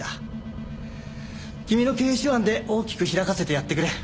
君の経営手腕で大きく開かせてやってくれ。